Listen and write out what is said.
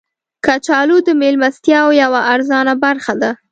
کچالو د میلمستیاو یوه ارزانه برخه ده